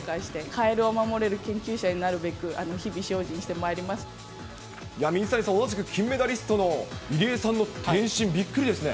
カエルを守れる研究者になるべく、水谷さん、同じく金メダリストの入江さんの転身、びっくりですね。